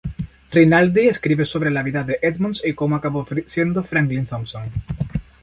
Rinaldi escribe sobre la vida de Edmonds y cómo acabó siendo Franklin Thompson.